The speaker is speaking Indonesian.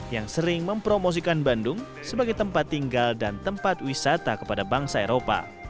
yang sering mempromosikan bandung sebagai tempat tinggal dan tempat wisata kepada bangsa eropa